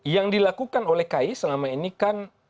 yang dilakukan oleh ki selama ini kan